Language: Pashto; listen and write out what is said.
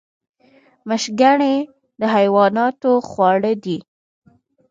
مشګڼې د حیواناتو خواړه دي